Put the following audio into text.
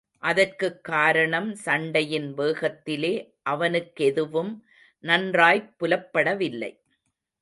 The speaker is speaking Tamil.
அதற்குக் காரணம் சண்டையின் வேகத்திலே அவனுக்கெதுவும் நன்றாய்ப் புலப்படவில்லை.